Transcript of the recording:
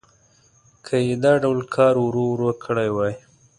که یې دا ډول کار ورو ورو کړی وای.